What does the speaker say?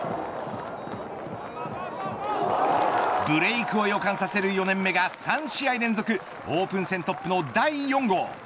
ブレークを予感させる４年目が３試合連続オープン戦トップの第４号。